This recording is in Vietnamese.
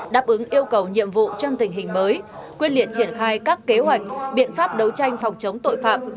đáp ứng yêu cầu nhiệm vụ trong tình hình mới quyết liệt triển khai các kế hoạch biện pháp đấu tranh phòng chống tội phạm